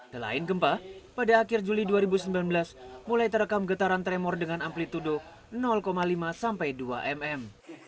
selain gempa pada akhir juli dua ribu sembilan belas mulai terekam getaran tersebut